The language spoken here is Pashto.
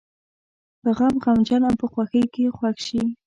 په غم غمجن او په خوښۍ یې خوښ شي.